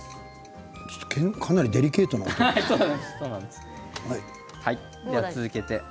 かなりデリケートですね。